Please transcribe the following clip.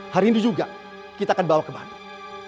hari ini juga kita akan bawa ke bandung